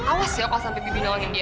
awas ya kalau sampai bibir lawanin dia